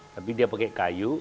tapi dia pakai kayu